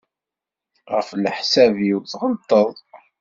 Ɣef leḥsab-iw tɣelṭeḍ.